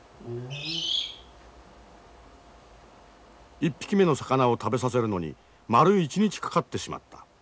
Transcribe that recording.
１匹目の魚を食べさせるのに丸１日かかってしまった。